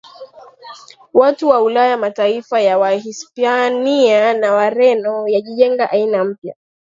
watu wa Ulaya Mataifa ya Wahispania na Wareno yalijenga aina mpya